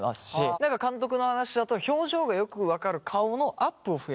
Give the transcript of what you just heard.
何か監督の話だと表情がよく分かる顔のアップを増やした。